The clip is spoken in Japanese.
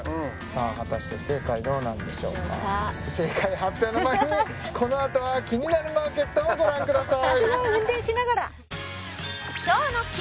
あ果たして正解どうなんでしょうか正解発表の前にこのあとは「キニナルマーケット」をご覧ください